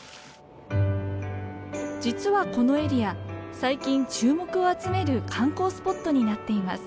実はこのエリア最近注目を集める観光スポットになっています。